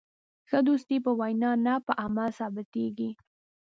ښه دوستي په وینا نه، په عمل ثابتېږي.